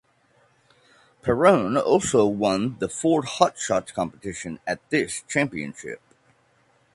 Perron also won the Ford Hot Shots competition at this championship.